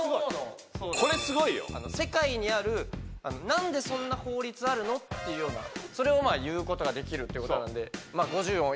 これすごいよ世界にある何でそんな法律あるのっていうようなそれを言うことができるってことなんで５０音